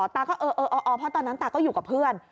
ตาก็เออเออเพราะตอนนั้นตาก็อยู่กับเพื่อน